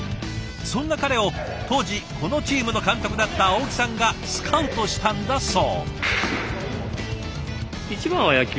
そんな彼を当時このチームの監督だった青木さんがスカウトしたんだそう。